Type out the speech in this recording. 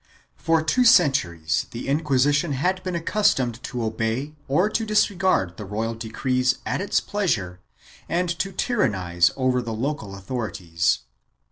1 For two centuries the Inquisition had been accustomed to obey or to disregard the royal decrees at its pleasure and to tyrannize over the local authorities.